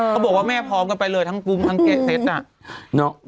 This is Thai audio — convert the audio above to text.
เขาบอกว่าแม่พร้อมกันไปเลยทั้งปุ๊งทั้งเกเซ็ตน่ะ